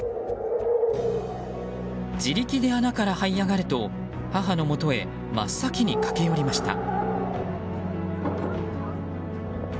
自力で穴からはい上がると母のもとへ真っ先に駆け寄りました。